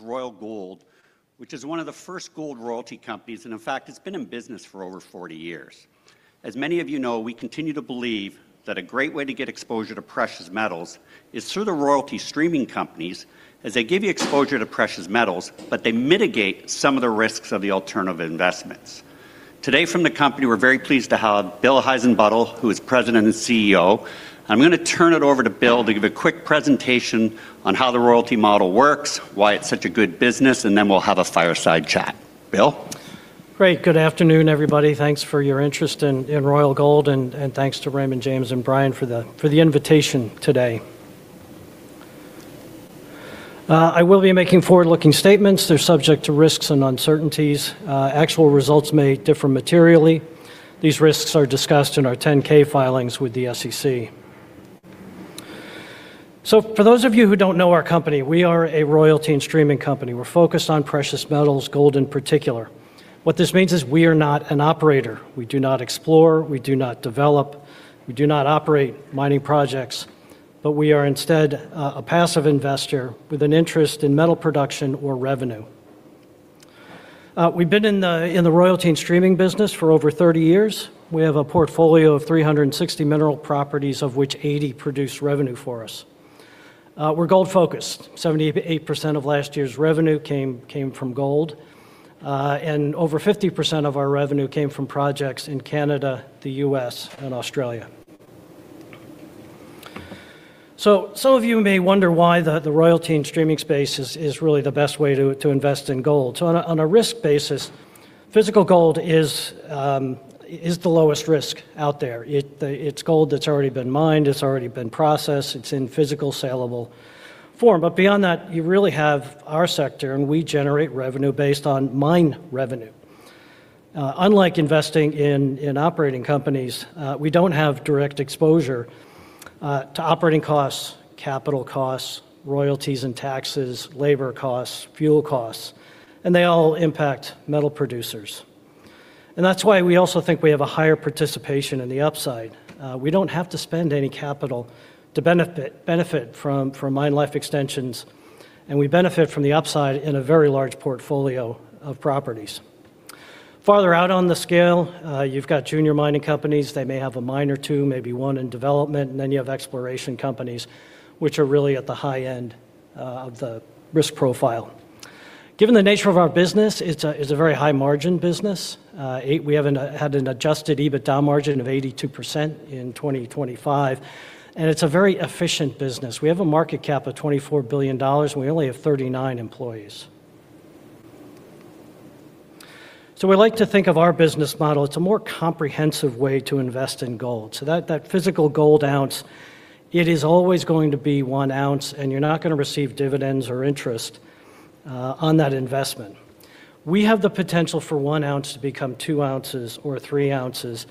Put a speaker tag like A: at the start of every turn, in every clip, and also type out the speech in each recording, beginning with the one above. A: Royal Gold, which is one of the first gold royalty companies, and in fact it's been in business for over 40 years. As many of you know we continue to believe that a great way to get exposure to precious metals is through the royalty streaming companies, as they give you exposure to precious metals, but they mitigate some of the risks of the alternative investments. Today from the company we're very pleased to have Bill Heissenbuttel, who is President and CEO. I'm gonna turn it over to Bill to give a quick presentation on how the royalty model works why it's such a good business, and then we'll have a fireside chat. Bill?
B: Great. Good afternoon, everybody. Thanks for your interest in Royal Gold and thanks to Raymond James and Brian for the invitation today. I will be making forward-looking statements. They're subject to risks and uncertainties. Actual results may differ materially. These risks are discussed in our 10-K filings with the SEC. For those of you who don't know our company, we are a royalty and streaming company. We're focused on precious metals, gold in particular. What this means is we are not an operator. We do not explore, we do not develop, we do not operate mining projects but we are instead a passive investor with an interest in metal production or revenue. We've been in the royalty and streaming business for over 30 years. We have a portfolio of 360 mineral properties, of which 80 produce revenue for us. We're gold-focused. 78% of last year's revenue came from gold, and over 50% of our revenue came from projects in Canada, the U.S. and Australia. Some of you may wonder why the royalty and streaming space is really the best way to invest in gold. On a risk basis, physical gold is the lowest risk out there. It's gold that's already been mined. It's already been processed. It's in physical sellable form. Beyond that, you really have our sector, and we generate revenue based on mine revenue. Unlike investing in operating companies, we don't have direct exposure to operating costs, capital costs, royalties and taxes, labor costs, fuel costs, and they all impact metal producers. That's why we also think we have a higher participation in the upside. We don't have to spend any capital to benefit from mine life extensions. We benefit from the upside in a very large portfolio of properties. Farther out on the scale, you've got junior mining companies. They may have a mine or two, maybe one in development. Then you have exploration companies, which are really at the high end of the risk profile. Given the nature of our business, it's a very high margin business. We had an adjusted EBITDA margin of 82% in 2025. It's a very efficient business. We have a market cap of $24 billion. We only have 39 employees.. We like to think of our business model, it's a more comprehensive way to invest in gold. That physical gold ounce, it is always going to be 1 ounce, you're not gonna receive dividends or interest on that investment. We have the potential for 1 ounce to become 2 ounces or 3 ounces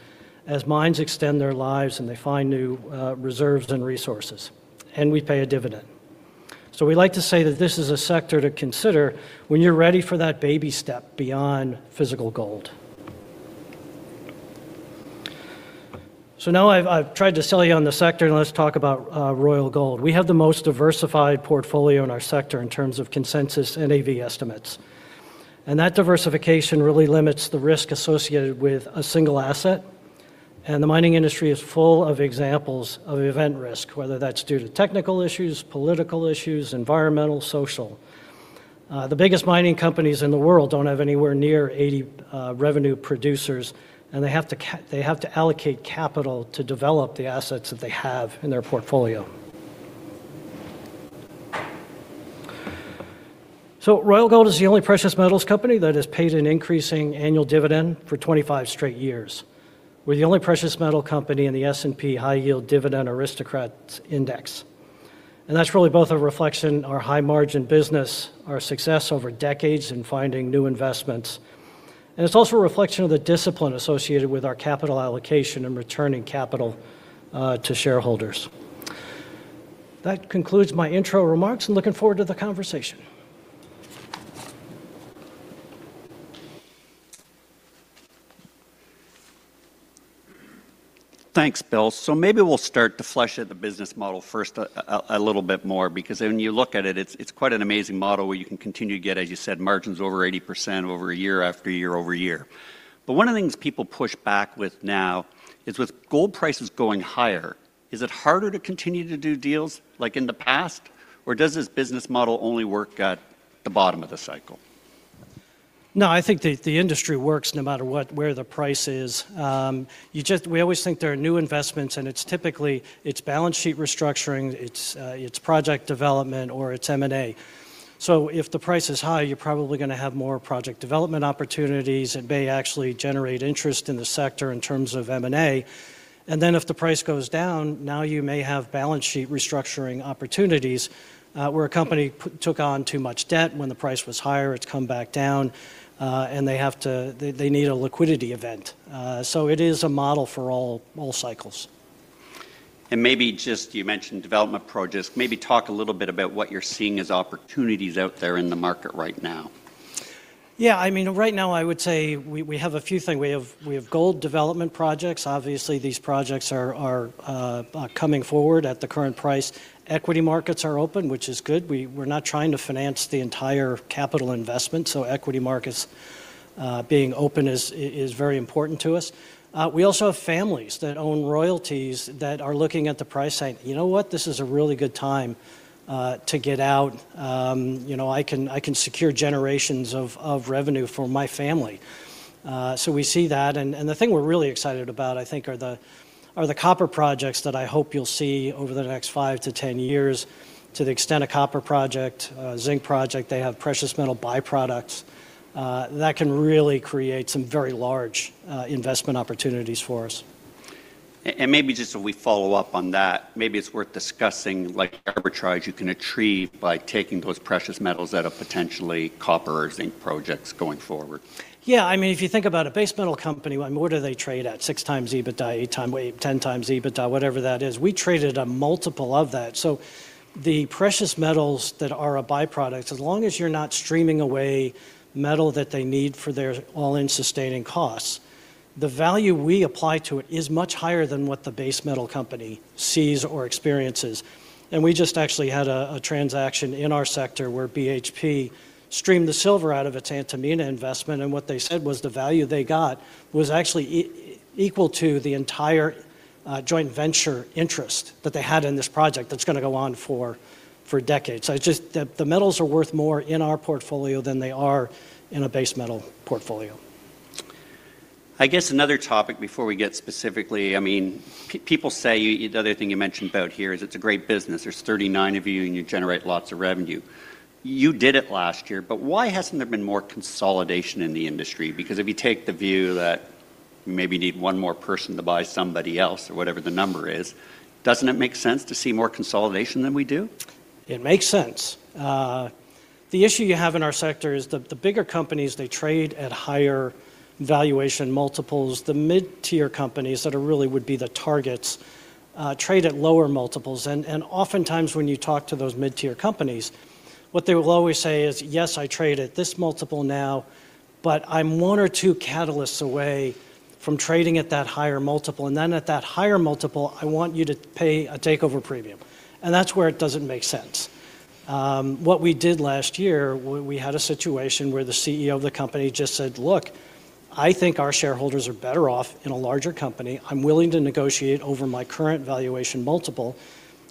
B: as mines extend their lives and they find new reserves and resources, we pay a dividend. We like to say that this is a sector to consider when you're ready for that baby step beyond physical gold. Now I've tried to sell you on the sector let's talk about Royal Gold. We have the most diversified portfolio in our sector in terms of consensus AV estimates, that diversification really limits the risk associated with a single asset, the mining industry is full of examples of event risk, whether that's due to technical issues, political issues, environmental, social. The biggest mining companies in the world don't have anywhere near 80 revenue producers they have to allocate capital to develop the assets that they have in their portfolio. Royal Gold is the only precious metals company that has paid an increasing annual dividend for 25 straight years. We're the only precious metal company in the S&P High Yield Dividend Aristocrats Index. That's really both a reflection our high margin business, our success over decades in finding new investments, and it's also a reflection of the discipline associated with our capital allocation and returning capital to shareholders. That concludes my intro remarks. I'm looking forward to the conversation.
A: Thanks, Bill. Maybe we'll start to flesh out the business model first a little bit more because when you look at it's quite an amazing model where you can continue to get, as you said, margins over 80% over year after year-over-year. One of the things people push back with now is with gold prices going higher, is it harder to continue to do deals like in the past, or does this business model only work at the bottom of the cycle?
B: I think the industry works no matter what, where the price is. We always think there are new investments, it's typically balance sheet restructuring, it's project development or it's M&A. If the price is high, you're probably gonna have more project development opportunities. It may actually generate interest in the sector in terms of M&A. If the price goes down, now you may have balance sheet restructuring opportunities, where a company took on too much debt when the price was higher, it's come back down, and they need a liquidity event. It is a model for all cycles.
A: Maybe just, you mentioned development projects, maybe talk a little bit about what you're seeing as opportunities out there in the market right now?
B: I mean, right now I would say we have a few things. We have gold development projects. Obviously, these projects are coming forward at the current price. Equity markets are open, which is good. We're not trying to finance the entire capital investment, so equity markets being open is very important to us. We also have families that own royalties that are looking at the price saying, "You know what? This is a really good time to get out. You know, I can secure generations of revenue for my family." We see that. The thing we're really excited about, i think are the copper projects that I hope you'll see over the next five to 10 years to the extent a copper project, zinc project, they have precious metal byproducts that can really create some very large investment opportunities for us.
A: Maybe just so we follow up on that, maybe it's worth discussing like arbitrage you can achieve by taking those precious metals out of potentially copper or zinc projects going forward.
B: Yeah, I mean, if you think about a base metal company, I mean what do they trade at? 6x EBITDA, well, 10x EBITDA, whatever that is. We trade at a multiple of that. The precious metals that are a byproduct as long as you're not streaming away metal that they need for their all-in sustaining costs, the value we apply to it is much higher than what the base metal company sees or experiences. We just actually had a transaction in our sector where BHP streamed the silver out of its Antamina investment, and what they said was the value they got was actually equal to the entire joint venture interest that they had in this project that's gonna go on for decades. It's just the metals are worth more in our portfolio than they are in a base metal portfolio.
A: I guess another topic before we get specifically, I mean, people say, the other thing you mentioned about here is it's a great business. There's 39 of you, and you generate lots of revenue. You did it last year, but why hasn't there been more consolidation in the industry? If you take the view that you maybe need one more person to buy somebody else or whatever the number is, doesn't it make sense to see more consolidation than we do?
B: It makes sense. The issue you have in our sector is the bigger companies, they trade at higher valuation multiples. The mid-tier companies that are really would be the targets trade at lower multiples. Oftentimes when you talk to those mid-tier companies, what they will always say is, "Yes, I trade at this multiple now, but I'm one or two catalysts away from trading at that higher multiple. And then at that higher multiple, I want you to pay a takeover premium." That's where it doesn't make sense. What we did last year we had a situation where the CEO of the company just said, "Look, I think our shareholders are better off in a larger company. I'm willing to negotiate over my current valuation multiple."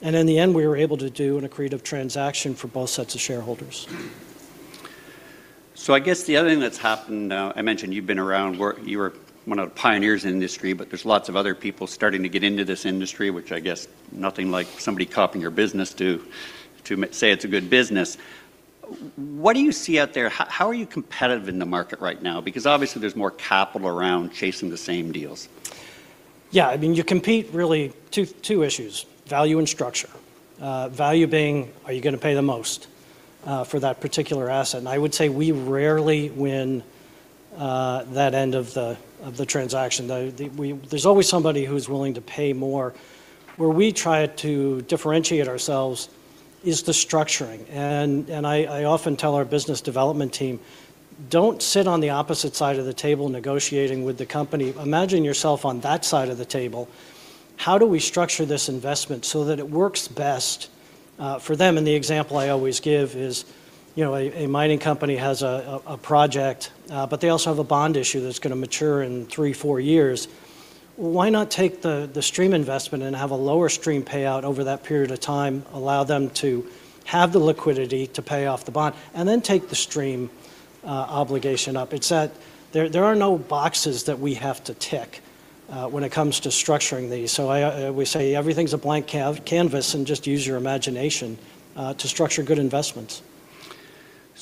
B: In the end, we were able to do an accretive transaction for both sets of shareholders.
A: I guess the other thing that's happened now. I mentioned you've been around. You were one of the pioneers in the industry, but there's lots of other people starting to get into this industry, which I guess nothing like somebody copying your business to say it's a good business. What do you see out there? How are you competitive in the market right now? Because obviously there's more capital around chasing the same deals.
B: I mean, you compete really two issues: value and structure. Value being, are you gonna pay the most for that particular asset? I would say we rarely win that end of the transaction. There's always somebody who's willing to pay more. Where we try to differentiate ourselves is the structuring. I often tell our business development team, "Don't sit on the opposite side of the table negotiating with the company. Imagine yourself on that side of the table. How do we structure this investment so that it works best for them?" The example I always give is you know a mining company has a project, but they also have a bond issue that's gonna mature in three, four years. Why not take the stream investment and have a lower stream payout over that period of time, allow them to have the liquidity to pay off the bond, and then take the stream obligation up? It's that there are no boxes that we have to tick when it comes to structuring these. I we say everything's a blank canvas and just use your imagination to structure good investments.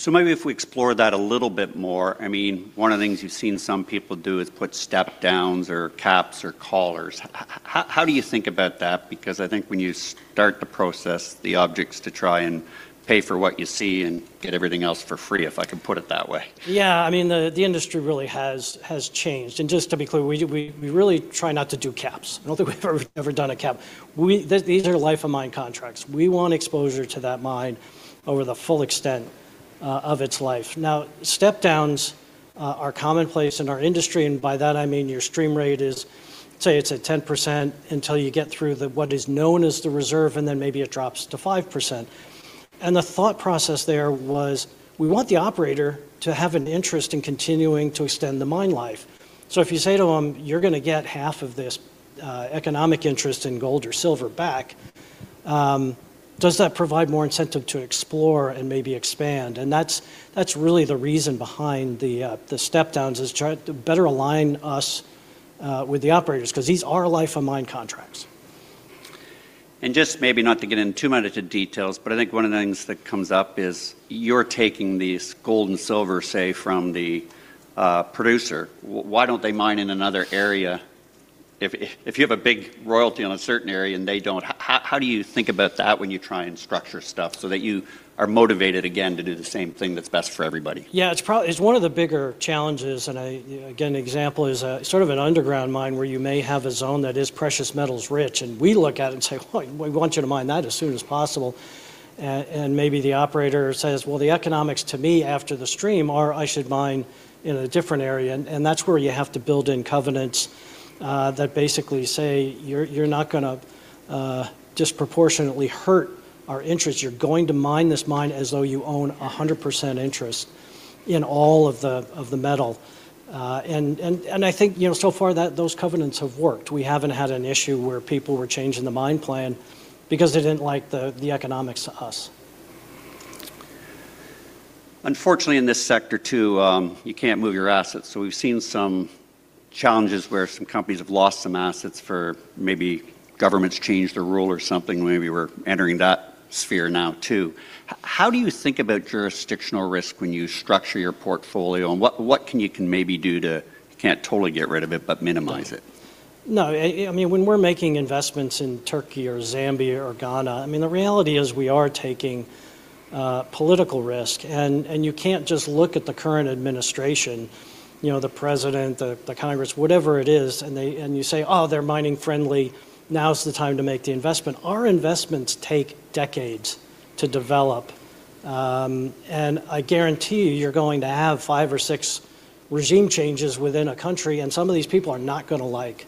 A: Maybe if we explore that a little bit more I mean one of the things you've seen some people do is put step-downs or caps or collars. How do you think about that? Because I think when you start the process, the object's to try and pay for what you see and get everything else for free if I can put it that way.
B: Yeah, I mean, the industry really has changed. Just to be clear, we really try not to do caps. I don't think we've ever done a cap. These are life of mine contracts. We want exposure to that mine over the full extent of its life. Now, step-downs are commonplace in our industry, and by that I mean your stream rate is, say it's at 10% until you get through the, what is known as the reserve, and then maybe it drops to 5%. The thought process there was, we want the operator to have an interest in continuing to extend the mine life. If you say to them, "You're gonna get half of this economic interest in gold or silver back," does that provide more incentive to explore and maybe expand? That's really the reason behind the step-downs is try to better align us with the operators, 'cause these are life of mine contracts.
A: Just maybe not to get into too much of the details, but I think one of the things that comes up is you're taking these gold and silver, say, from the producer. Why don't they mine in another area? If you have a big royalty on a certain area and they don't How do you think about that when you try and structure stuff so that you are motivated again to do the same thing that's best for everybody?
B: Yeah, it's probably it's one of the bigger challenges, I you know again, an example is sort of an underground mine where you may have a zone that is precious metals rich. We look at it and say, "Well, we want you to mine that as soon as possible." Maybe the operator says, "Well, the economics to me after the stream are I should mine in a different area." That's where you have to build in covenants that basically say you're not gonna disproportionately hurt our interest. You're going to mine this mine as though you own a 100% interest in all of the metal. I think you know so far that those covenants have worked. We haven't had an issue where people were changing the mine plan because they didn't like the economics to us.
A: Unfortunately, in this sector too, you can't move your assets. We've seen some challenges where some companies have lost some assets for maybe governments changed a rule or something. Maybe we're entering that sphere now too. How do you think about jurisdictional risk when you structure your portfolio? What can you maybe do to, you can't totally get rid of it, but minimize it?
B: No. I mean, when we're making investments in Turkey or Zambia or Ghana, I mean, the reality is we are taking political risk. You can't just look at the current administration you know the president, the Congress, whatever it is and you say, "Oh, they're mining-friendly. Now's the time to make the investment." Our investments take decades to develop. I guarantee you're going to have five or six regime changes within a country, and some of these people are not gonna like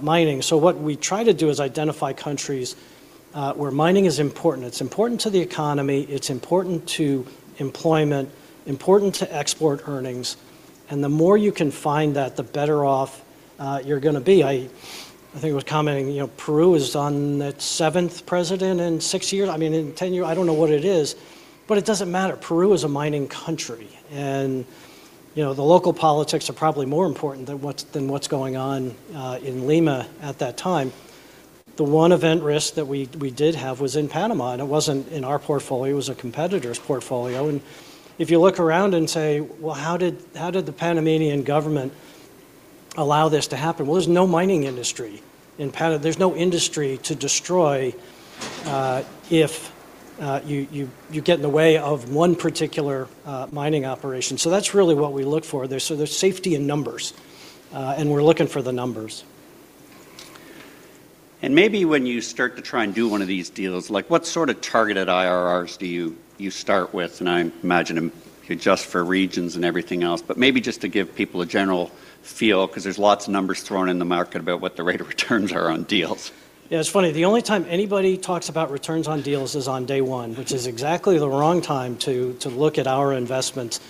B: mining. What we try to do is identify countries where mining is important. It's important to the economy, it's important to employment, important to export earnings, and the more you can find that, the better off, you're gonna be. I think it was commenting you know Peru is on its seventh president in six years, i mean, in 10 years. I don't know what it is, it doesn't matter. Peru is a mining country you know the local politics are probably more important than what's going on in Lima at that time. The one event risk that we did have was in Panama it wasn't in our portfolio. It was a competitor's portfolio. If you look around and say, "Well, how did the Panamanian government allow this to happen?" Well there's no mining industry. There's no industry to destroy if you get in the way of one particular mining operation. That's really what we look for there. There's safety in numbers, we're looking for the numbers.
A: Maybe when you start to try and do one of these deals, like, what sort of targeted IRRs do you start with? I imagine you adjust for regions and everything else. Maybe just to give people a general feel because there's lots of numbers thrown in the market about what the rate of returns are on deals.
B: Yeah, it's funny. The only time anybody talks about returns on deals is on day one, which is exactly the wrong time to look at our investment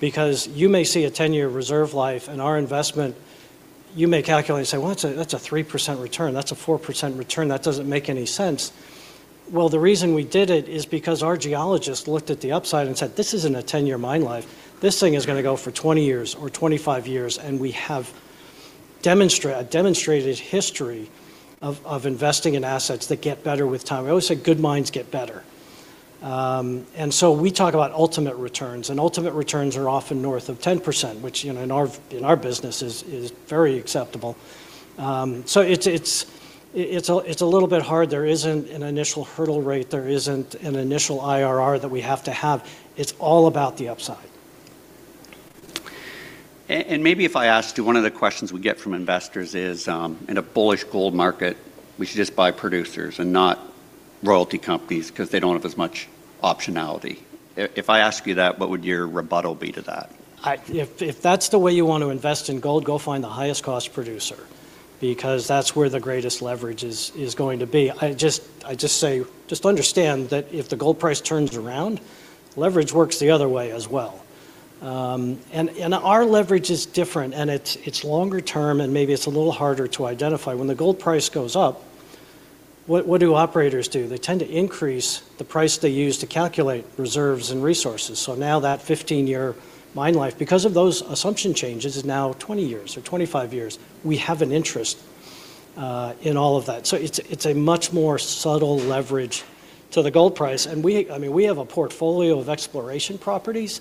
B: because you may see a 10-year reserve life in our investment. You may calculate and say, "Well, that's a 3% return. That's a 4% return. That doesn't make any sense." Well, the reason we did it is because our geologist looked at the upside and said, "This isn't a 10-year mine life. This thing is gonna go for 20 years or 25 years." We have a demonstrated history of investing in assets that get better with time. We always say good mines get better. We talk about ultimate returns, and ultimate returns are often north of 10%, which you know in our business is very acceptable. It's a little bit hard. There isn't an initial hurdle rate. There isn't an initial IRR that we have to have. It's all about the upside.
A: Maybe if I asked you, one of the questions we get from investors is, in a bullish gold market, we should just buy producers and not royalty companies because they don't have as much optionality. If I ask you that, what would your rebuttal be to that?
B: If that's the way you want to invest in gold, go find the highest cost producer because that's where the greatest leverage is going to be. I just say understand that if the gold price turns around, leverage works the other way as well. And our leverage is different, and it's longer term, and maybe it's a little harder to identify. When the gold price goes up, what do operators do? They tend to increase the price they use to calculate reserves and resources. Now that 15-year mine life, because of those assumption changes, is now 20 years or 25 years. We have an interest in all of that. So it's a much more subtle leverage to the gold price. I mean, we have a portfolio of exploration properties.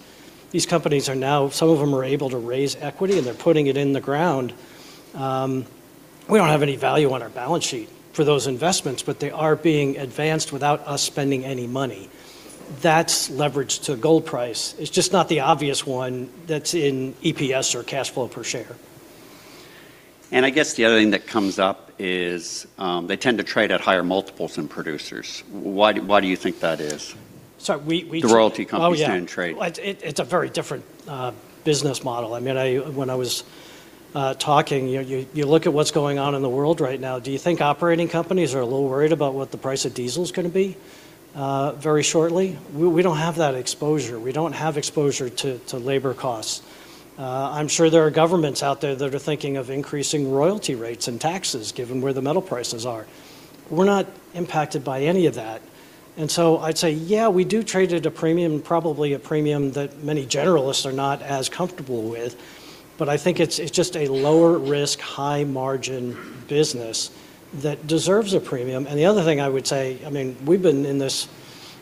B: These companies are now... Some of them are able to raise equity, they're putting it in the ground. We don't have any value on our balance sheet for those investments, they are being advanced without us spending any money. That's leverage to gold price. It's just not the obvious one that's in EPS or cash flow per share.
A: I guess the other thing that comes up is, they tend to trade at higher multiples than producers. Why do you think that is?
B: Sorry, we.
A: The royalty companies do and trade.
B: Oh, yeah. Well, it's a very different business model. I mean, when I was talking you know you look at what's going on in the world right now. Do you think operating companies are a little worried about what the price of diesel is gonna be very shortly? We don't have that exposure. We don't have exposure to labor costs. I'm sure there are governments out there that are thinking of increasing royalty rates and taxes given where the metal prices are. We're not impacted by any of that. I'd say, yeah, we do trade at a premium, probably a premium that many generalists are not as comfortable with, but I think it's just a lower risk, high margin business that deserves a premium. The other thing I would say, I mean, we've been in this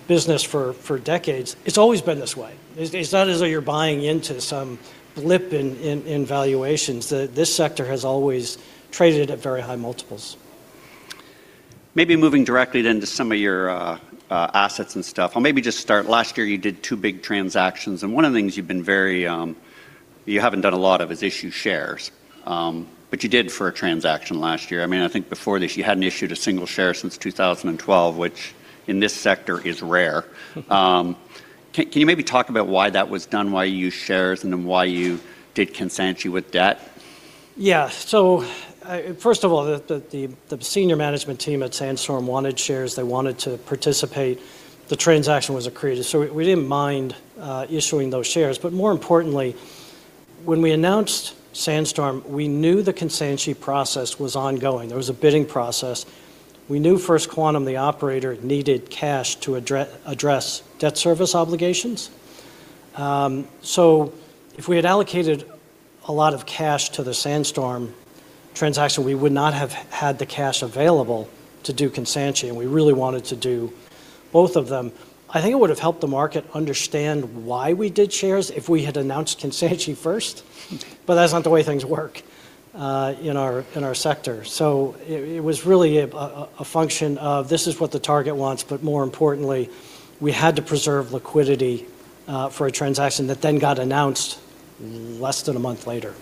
B: business for decades, it's always been this way. It's not as though you're buying into some blip in valuations. This sector has always traded at very high multiples.
A: Maybe moving directly to some of your assets and stuff. I'll maybe just start, last year you did 2 big transactions, one of the things you've been very. You haven't done a lot of issue shares. You did for a transaction last year. I mean, I think before this, you hadn't issued a single share since 2012, which in this sector is rare. Can you maybe talk about why that was done, why you used shares, why you did Kansanshi with debt?
B: First of all, the senior management team at Sandstorm wanted shares. They wanted to participate. The transaction was accretive, we didn't mind issuing those shares. More importantly, when we announced Sandstorm, we knew the Kansanshi process was ongoing. There was a bidding process. We knew First Quantum, the operator, needed cash to address debt service obligations. If we had allocated a lot of cash to the Sandstorm transaction, we would not have had the cash available to do Kansanshi, we really wanted to do both of them. I think it would have helped the market understand why we did shares if we had announced Kansanshi first. That's not the way things work in our sector. It was really a function of this is what the target wants, but more importantly, we had to preserve liquidity for a transaction that then got announced less than a month later.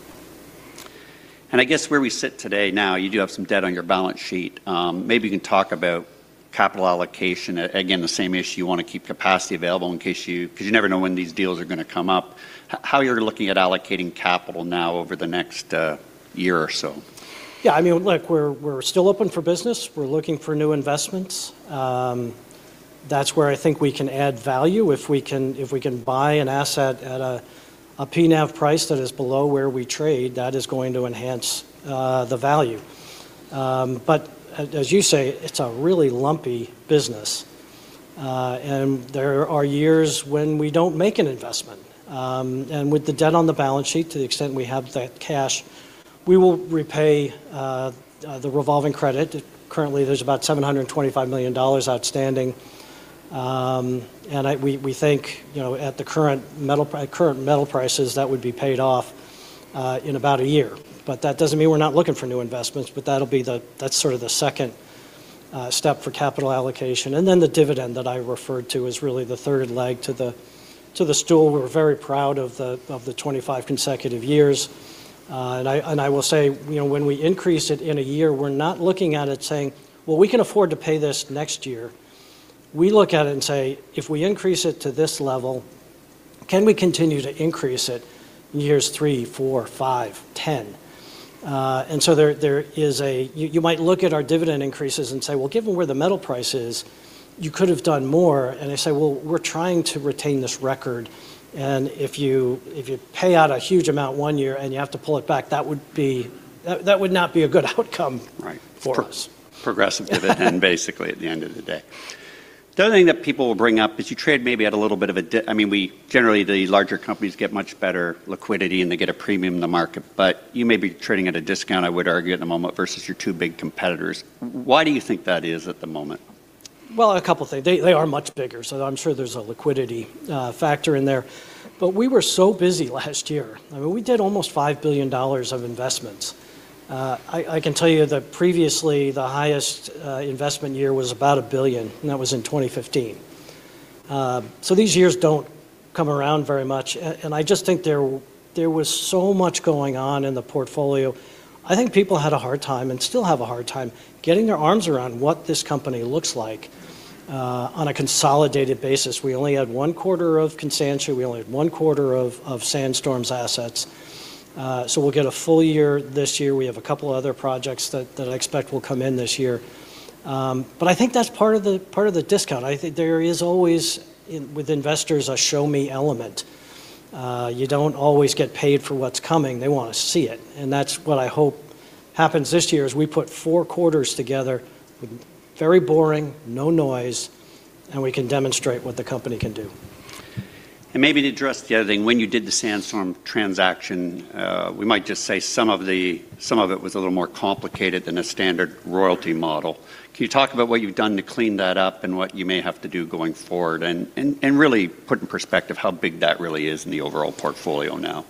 A: I guess where we sit today now, you do have some debt on your balance sheet. Maybe you can talk about capital allocation. Again, the same issue, you wanna keep capacity available in case you... 'cause you never know when these deals are gonna come up. How you're looking at allocating capital now over the next year or so?
B: Yeah, I mean, look, we're still open for business. We're looking for new investments. That's where I think we can add value. If we can buy an asset at a PNAV price that is below where we trade, that is going to enhance the value. As you say, it's a really lumpy business, there are years when we don't make an investment. With the debt on the balance sheet, to the extent we have that cash, we will repay the revolving credit. Currently, there's about $725 million outstanding, we think you know at the current metal prices, that would be paid off in about a year. That doesn't mean we're not looking for new investments, but that'll be the... that's sort of the second step for capital allocation. Then the dividend that I referred to is really the third leg to the stool. We're very proud of the 25 consecutive years. I will say you know when we increase it in a year, we're not looking at it saying, "Well, we can afford to pay this next year." We look at it and say, "If we increase it to this level, can we continue to increase it in years three, four, five, 10?" So there is a... You might look at our dividend increases and say, "Well, given where the metal price is, you could have done more." I say, "Well, we're trying to retain this record, and if you pay out a huge amount one year and you have to pull it back, that would not be a good outcome.
A: Right...
B: for us.
A: Basically at the end of the day. The other thing that people will bring up is you trade maybe at a little bit of a I mean, generally, the larger companies get much better liquidity and they get a premium in the market, but you may be trading at a discount, I would argue, at the moment versus your two big competitors. Why do you think that is at the moment?
B: Well, a couple things. They are much bigger, so I'm sure there's a liquidity factor in there. We were so busy last year. I mean, we did almost $5 billion of investments. I can tell you that previously the highest investment year was about $1 billion, and that was in 2015. These years don't come around very much. And I just think there was so much going on in the portfolio, I think people had a hard time, and still have a hard time, getting their arms around what this company looks like on a consolidated basis. We only had 1 quarter of Kansanshi. We only had 1 quarter of Sandstorm's assets. We'll get a full year this year. We have a couple other projects that I expect will come in this year. I think that's part of the discount. I think there is always with investors a show me element. You don't always get paid for what's coming. They wanna see it. That's what I hope happens this year is we put four quarters together with very boring, no noise, and we can demonstrate what the company can do.
A: Maybe to address the other thing, when you did the Sandstorm transaction, we might just say some of the, some of it was a little more complicated than a standard royalty model. Can you talk about what you've done to clean that up and what you may have to do going forward and, and really put in perspective how big that really is in the overall portfolio now?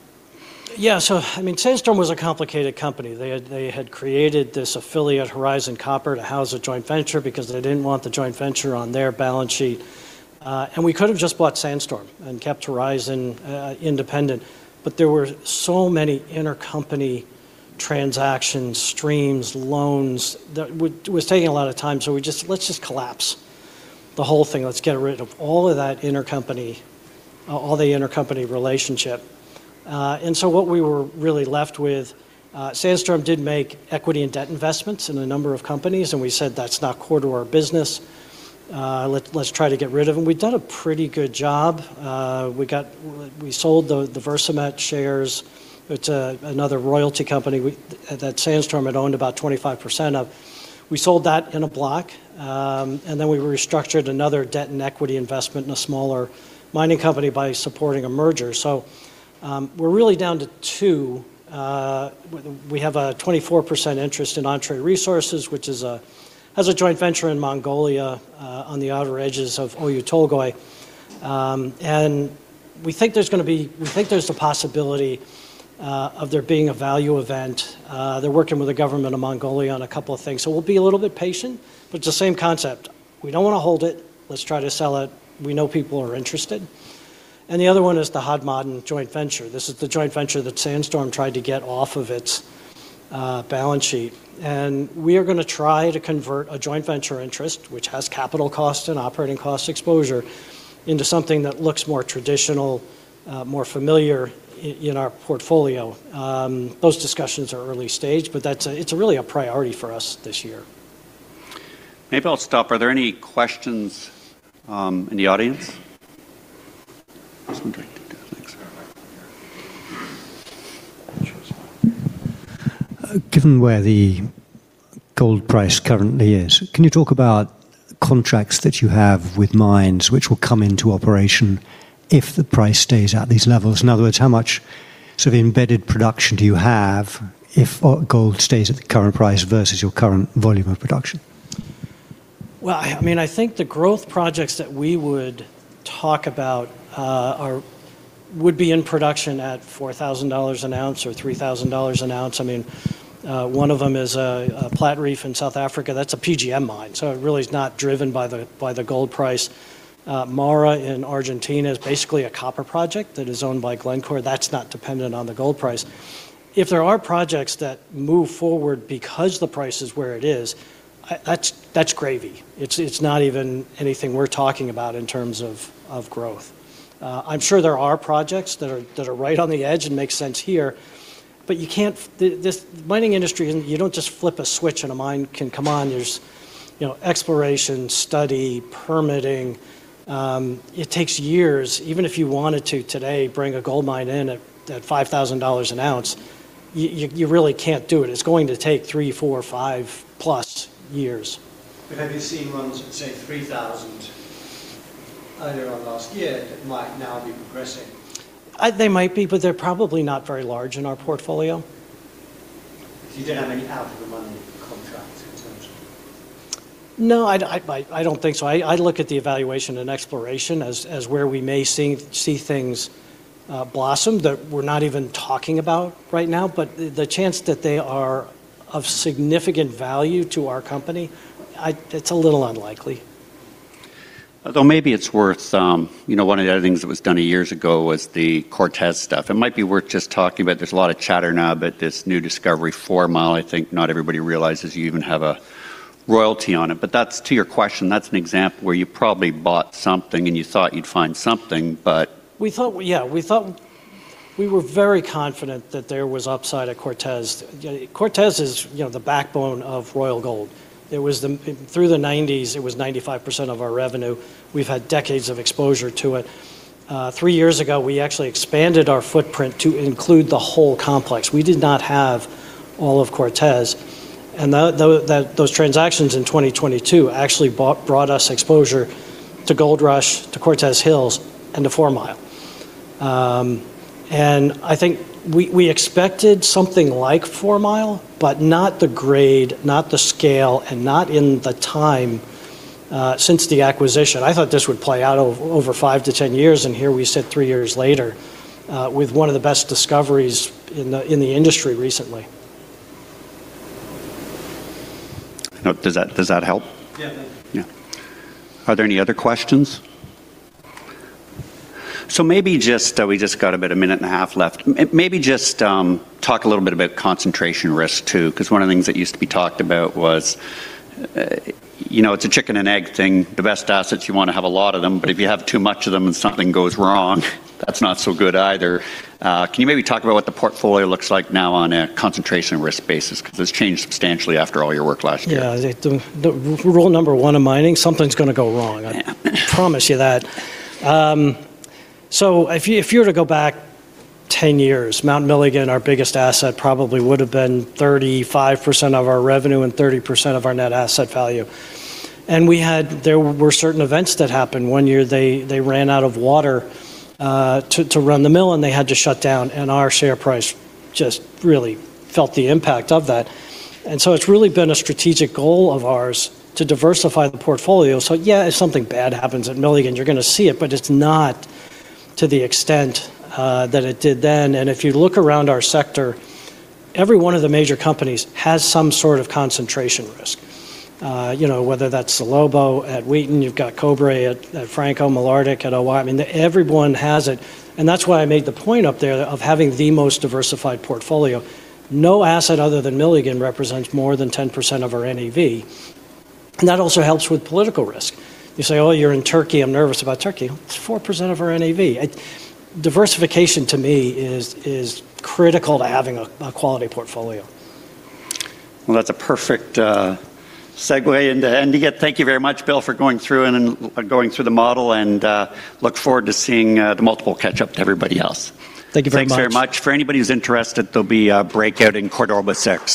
B: I mean, Sandstorm was a complicated company. They had created this affiliate, Horizon Copper, to house a joint venture because they didn't want the joint venture on their balance sheet. We could have just bought Sandstorm and kept Horizon independent, but there were so many intercompany transactions, streams, loans that was taking a lot of time, we just, "Let's just collapse the whole thing. Let's get rid of all of that intercompany, all the intercompany relationship." What we were really left with, Sandstorm did make equity and debt investments in a number of companies, and we said that's not core to our business. Let's try to get rid of them. We've done a pretty good job. We sold the Versamet shares. It's a, another royalty company we that Sandstorm had owned about 25% of. We sold that in a block, and then we restructured another debt and equity investment in a smaller mining company by supporting a merger. We're really down to two. We have a 24% interest in Entrée Resources, which has a joint venture in Mongolia, on the outer edges of Oyu Tolgoi. We think there's the possibility of there being a value event. They're working with the government of Mongolia on a couple of things, so we'll be a little bit patient, but it's the same concept. We don't wanna hold it. Let's try to sell it. We know people are interested. The other one is the Hod Maden joint venture. This is the joint venture that Sandstorm tried to get off of its balance sheet. We are gonna try to convert a joint venture interest, which has capital costs and operating cost exposure, into something that looks more traditional, more familiar in our portfolio. Those discussions are early stage, but it's really a priority for us this year.
A: Maybe I'll stop. Are there any questions, in the audience?
B: Just one second. Thanks.
A: Sure.
C: Given where the gold price currently is, can you talk about contracts that you have with mines which will come into operation if the price stays at these levels? In other words, how much sort of embedded production do you have if gold stays at the current price versus your current volume of production?
B: I mean, I think the growth projects that we would talk about would be in production at $4,000 an ounce or $3,000 an ounce. I mean, one of them is Platreef in South Africa. That's a PGM mine, it really is not driven by the gold price. MARA in Argentina is basically a copper project that is owned by Glencore. That's not dependent on the gold price. If there are projects that move forward because the price is where it is, that's gravy. It's not even anything we're talking about in terms of growth. I'm sure there are projects that are right on the edge and make sense here, you can't. This mining industry, you don't just flip a switch and a mine can come on. There's you know exploration, study, permitting. It takes years. Even if you wanted to today bring a gold mine in at $5,000 an ounce, you really can't do it. It's going to take three, four, 5+ years.
C: Have you seen ones at, say, $3,000 earlier on last year that might now be progressing?
B: They might be, but they're probably not very large in our portfolio.
C: You don't have any out of the money contracts in terms of.
B: No, I don't think so. I look at the evaluation and exploration as where we may see things blossom that we're not even talking about right now. The chance that they are of significant value to our company, it's a little unlikely.
A: Maybe it's worth you know one of the other things that was done years ago was the Cortez stuff. It might be worth just talking about. There's a lot of chatter now about this new discovery, Four Mile. I think not everybody realizes you even have a royalty on it. That's... To your question, that's an example where you probably bought something and you thought you'd find something.
B: We were very confident that there was upside at Cortez. Cortez is you know the backbone of Royal Gold. It was Through the nineties, it was 95% of our revenue. We've had decades of exposure to it. 3 years ago, we actually expanded our footprint to include the whole complex. We did not have all of Cortez. Those transactions in 2020 actually brought us exposure to Gold Rush, to Cortez Hills, and to Four Mile. I think we expected something like Four Mile, but not the grade, not the scale, and not in the time, since the acquisition. I thought this would play out over five to 10 years, and here we sit three years later, with one of the best discoveries in the industry recently.
A: Does that help?
C: Yeah.
A: Yeah. Are there any other questions? We just got about a minute and a half left. Maybe just talk a little bit about concentration risk too, 'cause one of the things that used to be talked about was you know it's a chicken and egg thing. The best assets, you wanna have a lot of them, but if you have too much of them and something goes wrong, that's not so good either. Can you maybe talk about what the portfolio looks like now on a concentration risk basis? 'Cause it's changed substantially after all your work last year.
B: Yeah, the rule number one in mining, something's gonna go wrong.
A: Yeah.
B: I promise you that. If you were to go back 10 years, Mount Milligan, our biggest asset, probably would've been 35% of our revenue and 30% of our net asset value. There were certain events that happened. One year, they ran out of water to run the mill, and they had to shut down, and our share price just really felt the impact of that. It's really been a strategic goal of ours to diversify the portfolio. Yeah, if something bad happens at Milligan, you're gonna see it, but it's not to the extent that it did then. If you look around our sector, every one of the major companies has some sort of concentration risk. You know, whether that's Salobo at Wheaton. You've got Cobre at Franco-Malartic at [Oyu]. I mean, everyone has it. That's why I made the point up there of having the most diversified portfolio. No asset other than Milligan represents more than 10% of our NAV, and that also helps with political risk. You say, "Oh, you're in Turkey, I'm nervous about Turkey." It's 4% of our NAV. Diversification, to me, is critical to having a quality portfolio.
A: Well, that's a perfect segue into ending it. Thank you very much, Bill, for going through and going through the model and look forward to seeing the multiple catch up to everybody else.
B: Thank you very much.
A: Thanks very much. For anybody who's interested, there'll be a breakout in Cordoba Six.